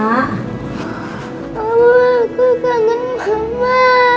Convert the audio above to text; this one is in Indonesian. aku kangen mama